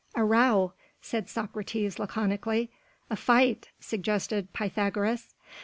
"A row," said Socrates laconically. "A fight," suggested Pythagoras.